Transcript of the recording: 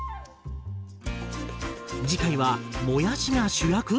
次回はもやしが主役？